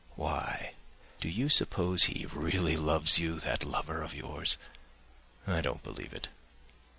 Why, do you suppose he really loves you, that lover of yours? I don't believe it.